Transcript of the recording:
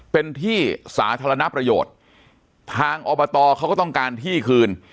เป็นที่สาธารณประโยชน์ทางอบตเขาก็ต้องการที่คืน